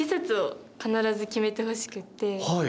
はい。